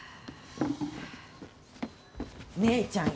姉ちゃん